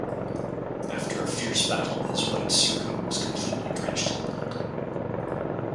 After a fierce battle, his white surcoat was completely drenched in blood.